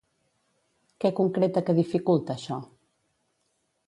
Què concreta que dificulta això?